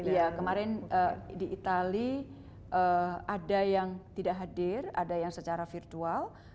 iya kemarin di itali ada yang tidak hadir ada yang secara virtual